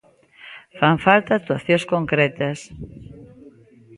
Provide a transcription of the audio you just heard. Fan falta actuacións concretas.